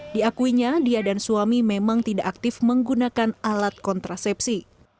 diakuinya dia dan suami memang tidak aktif menggunakan alat kontrasepsi